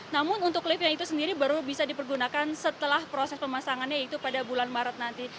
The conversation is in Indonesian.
namun untuk liftnya itu sendiri baru bisa dipergunakan setelah proses pemasangannya yaitu pada bulan maret nanti